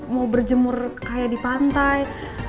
mau berjemur kayak di pantai